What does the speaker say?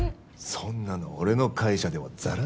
そんなの俺の会社ではザラだよ。